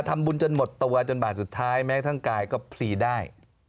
ทำบุญจนหมดตัวจนบาดสุดท้ายแม้ทั้งกายก็พลีได้